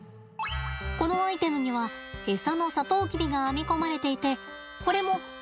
このアイテムにはエサのサトウキビが編み込まれていて、これも取りづらくしてあるんだって。